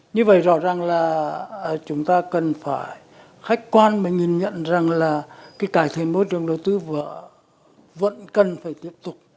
như vậy rõ ràng là chúng ta cần phải khách quan và nhìn nhận rằng là cái cải thiện môi trường đầu tư vẫn cần phải tiếp tục